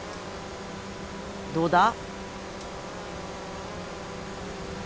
どうだ？